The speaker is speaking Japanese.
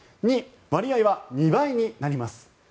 ２、割合は２倍になります